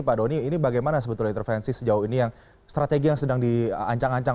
pak doni ini bagaimana sebetulnya intervensi sejauh ini yang strategi yang sedang diancang ancang